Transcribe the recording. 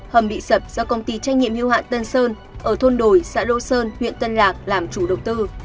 hầm bị sập do công ty trách nhiệm hưu hạn tân sơn ở thôn đồi xã đô sơn huyện tân lạc làm chủ đầu tư